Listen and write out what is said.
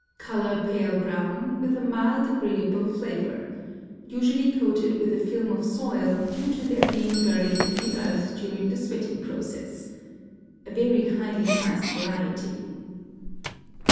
Color pale brown, with a mild, agreeable flavor. Usually coated with a film of soil due to their being buried in the earth during the sweating process. A very highly priced variety.